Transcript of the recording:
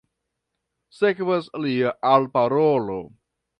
Sekvas lia alparolo.